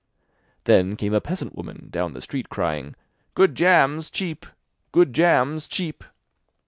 Then came a peasant woman down the street crying: 'Good jams, cheap! Good jams, cheap!